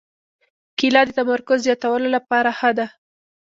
کېله د تمرکز زیاتولو لپاره ښه ده.